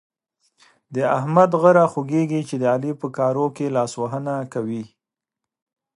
د احمد غره خوږېږي چې د علي په کارو کې لاسوهنه کوي.